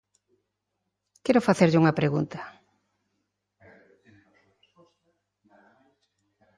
Quero facerlle unha pregunta.